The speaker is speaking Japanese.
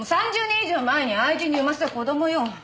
３０年以上前に愛人に産ませた子供よ！